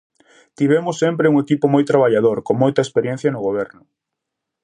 Tivemos sempre un equipo moi traballador, con moita experiencia no goberno.